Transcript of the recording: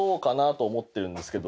と思ってるんですけど。